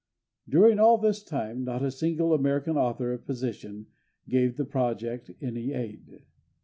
During all this time not a single American author of position gave the project any aid.